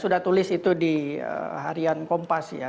arian kompas ya